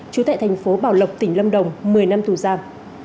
trú tại tp bảo lộc tỉnh lâm đồng một mươi năm tù giam